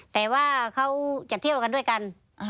แต่ว่าเขาจะเที่ยวกันด้วยกัน